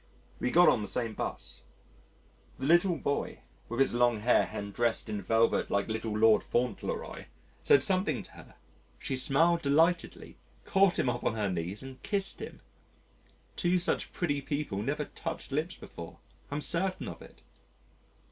We got on the same 'bus. The little boy, with his long hair and dressed in velvet like little Lord Fauntleroy, said something to her she smiled delightedly, caught him up on her knees and kissed him. Two such pretty people never touched lips before I'm certain of it.